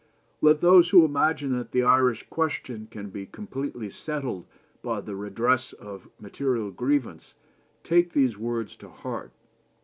" Let those who imagine that the Irish question can be completely settled by the redress of material grievances take those words to heart.